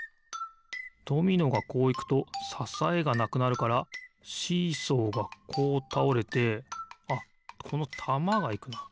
ドミノがこういくとささえがなくなるからシーソーがこうたおれてあっこのたまがいくな。